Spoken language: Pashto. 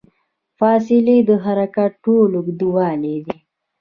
فاصلې د حرکت ټول اوږدوالی دی.